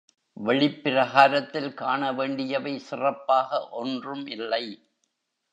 வெளிப்பிரகாரத்தில் காணவேண்டியவை சிறப்பாக ஒன்றும் இல்லை.